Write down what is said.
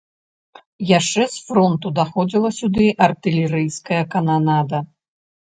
Яшчэ з фронту даходзіла сюды артылерыйская кананада.